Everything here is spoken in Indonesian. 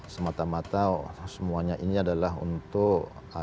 semata mata semuanya ini adalah hal yang terbaik